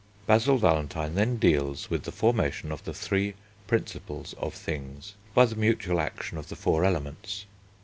Basil Valentine then deals with the formation of the three Principles of things, by the mutual action of the four Elements.